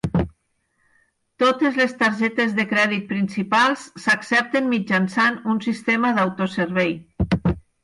Totes les targetes de crèdit principals s'accepten mitjançant un sistema d'autoservei.